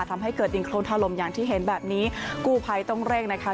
ทำให้เกิดดินโครนทะลมอย่างที่เห็นแบบนี้กู้ภัยต้องเร่งนะคะ